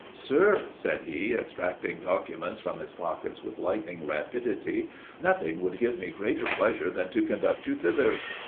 "Sir," said he, extracting documents from his pockets with lightning rapidity, "nothing would give me greater pleasure than to conduct you thither.